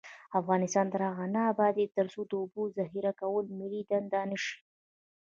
افغانستان تر هغو نه ابادیږي، ترڅو د اوبو ذخیره کول ملي دنده نشي.